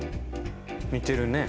似てるね。